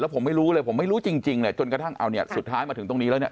แล้วผมไม่รู้เลยผมไม่รู้จริงจนกระทั่งสุดท้ายมาถึงตรงนี้แล้วเนี่ย